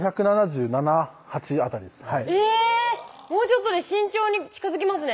もうちょっとで身長に近づきますね